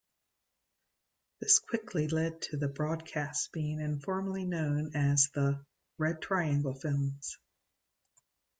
This quickly led to the broadcasts being informally known as the "red triangle films".